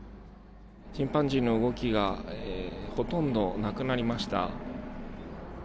チンパンジーの動きがほとんどなくなりました。